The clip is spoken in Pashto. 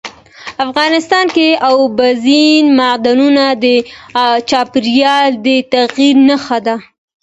افغانستان کې اوبزین معدنونه د چاپېریال د تغیر نښه ده.